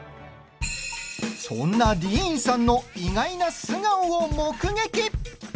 そんなディーンさんの意外な素顔を目撃。